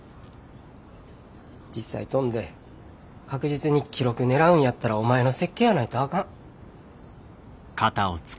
実際飛んで確実に記録狙うんやったらお前の設計やないとあかん。